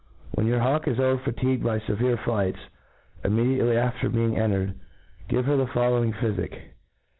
When your hawk is over fatigued by fevcrc flights, immediately after being entered, give her the following phyfic.